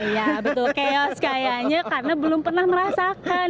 iya betul chaos kayaknya karena belum pernah merasakan